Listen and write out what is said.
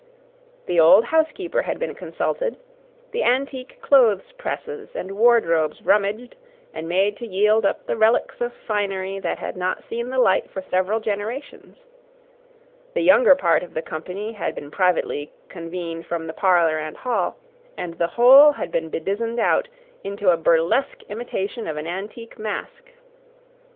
The old housekeeper had been consulted; the antique clothes presses and wardrobes rummaged and made to yield up the relics of finery that had not seen the light for several generations; the younger part of the company had been privately convened from the parlour and hall, and the whole had been bedizened out, into a burlesque imitation of an antique masque.